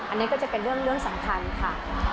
อันนี้ก็จะเป็นเรื่องสำคัญค่ะ